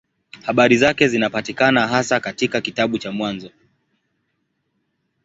Habari zake zinapatikana hasa katika kitabu cha Mwanzo.